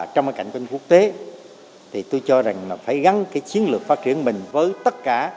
trong mặt cảnh quân quốc tế tôi cho rằng phải gắn chiến lược phát triển mình với tất cả